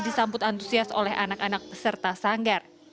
disambut antusias oleh anak anak peserta sanggar